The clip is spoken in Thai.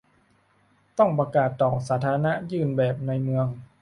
ต้องประกาศต่อสาธารณะ ยื่นแบบให้เมือง